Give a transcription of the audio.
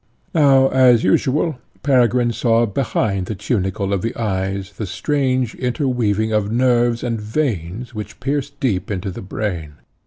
Now, as usual, Peregrine saw behind the tunicle of the eyes the strange interweaving of nerves and veins, which pierced deep into the brain.